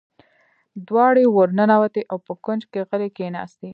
دواړې ور ننوتې او په کونج کې غلې کېناستې.